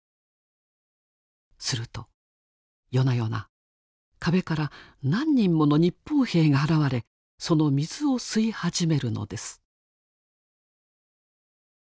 すると夜な夜な壁から何人もの日本兵が現れその水を吸い始めるのです。